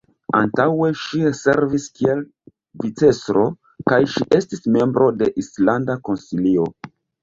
Antaŭe ŝi servis kiel vicestro kaj ŝi estis membro de Islanda Konsilio.